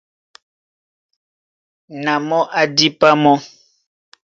Na mɔ́ á dípá mɔ́.